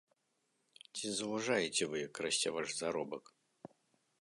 Ці заўважаеце вы, як расце ваш заробак?